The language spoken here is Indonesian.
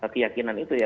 keyakinan itu ya